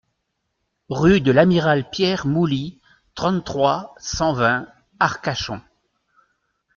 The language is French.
Rue de l'Amiral Pierre Mouly, trente-trois, cent vingt Arcachon